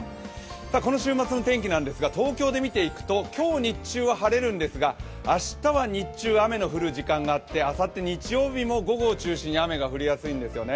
この週末の天気なんですが、東京で見ていくと今日日中は晴れるんですが、明日は日中、雨の降る時間があって、あさって日曜日も午後を中心に雨が降りやすいんですよね。